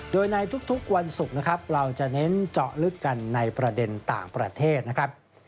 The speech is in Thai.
โดยในทุกวันศุกร์นะครับเราจะเน้นเจาะลึกกันในประเด็นต่างประเทศนะครับ